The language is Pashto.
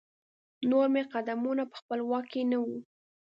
نور مې قدمونه په خپل واک کې نه وو.